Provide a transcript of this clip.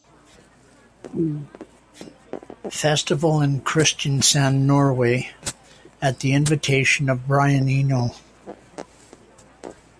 Festival in Kristiansand, Norway, at the invitation of Brian Eno.